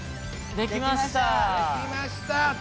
できました！